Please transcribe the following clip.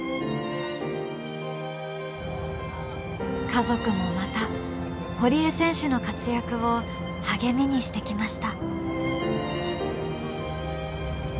家族もまた堀江選手の活躍を励みにしてきました。